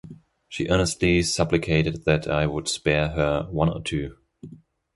She earnestly supplicated that I would spare her one or two.